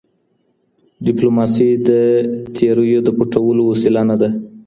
ډیپلوماسي د تېریو د پټولو وسیله نه ده.